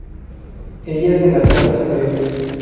Ella es de la casta superior.